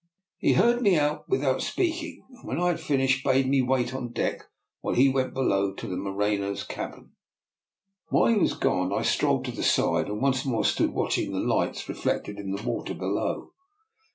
He heard me out without speak ing, and when I had finished bade me wait on deck while he went below to the Morenos' cabin. While he was gone I strolled to the side, and once more stood watching the lights reflected in the water below.